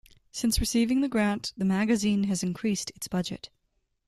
Since receiving the grant, the magazine has increased its budget.